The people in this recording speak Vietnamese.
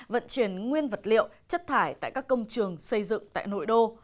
vận chuyển nguyên vật liệu chất thải tại các công trường xây dựng tại nội đô